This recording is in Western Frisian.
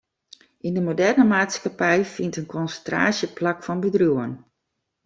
Yn de moderne maatskippij fynt in konsintraasje plak fan bedriuwen.